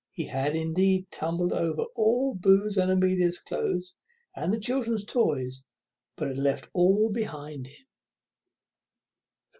He had, indeed, tumbled over all Booth's and Amelia's cloaths and the children's toys, but had left all behind him.